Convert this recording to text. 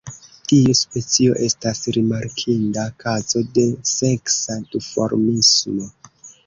Tiu specio estas rimarkinda kazo de seksa duformismo.